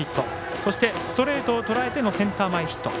そして、ストレートをとらえてのセンター前ヒット。